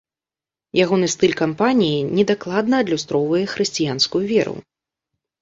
Ягоны стыль кампаніі недакладна адлюстроўвае хрысціянскую веру.